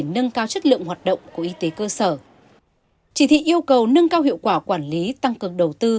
nâng cao chất lượng nguồn lực nâng cao chất lượng nguồn lực